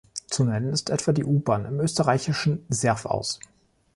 Zu nennen ist etwa die U-Bahn im österreichischen Serfaus.